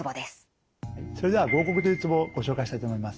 それでは合谷というツボをご紹介したいと思います。